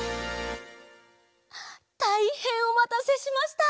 たいへんおまたせしました。